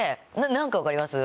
何か分かります？